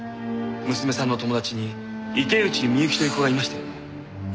娘さんの友達に池内美雪という子がいましたよね？